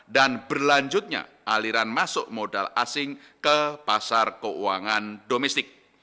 dan berlanjutnya aliran masuk modal asing ke pasar keuangan domestik